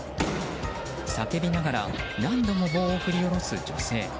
叫びながら何度も棒を振り下ろす女性。